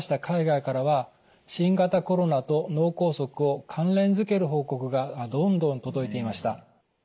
海外からは新型コロナと脳梗塞を関連づける報告がどんどん届いていました。